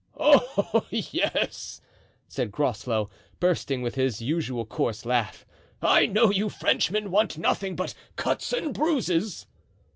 "Oh! yes," said Groslow, bursting with his usual coarse laugh, "I know you Frenchmen want nothing but cuts and bruises."